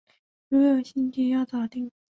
如果有兴趣要早定